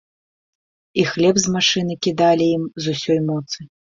І хлеб з машыны кідалі ім з усёй моцы.